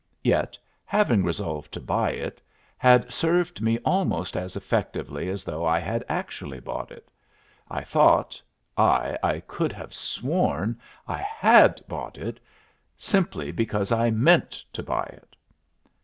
Yet, having resolved to buy it had served me almost as effectively as though I had actually bought it; I thought aye, I could have sworn I HAD bought it, simply because I MEANT to buy it.